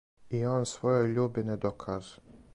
И он својој љуби не доказа.